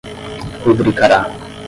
rubricará